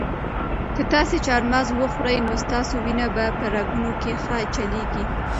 که تاسي چهارمغز وخورئ نو ستاسو وینه به په رګونو کې ښه چلیږي.